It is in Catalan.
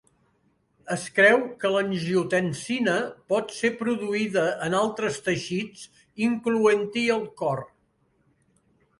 Es creu que l'angiotensina pot ser produïda en altres teixits, incloent-hi el cor.